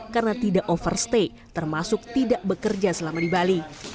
karena tidak overstay termasuk tidak bekerja selama di bali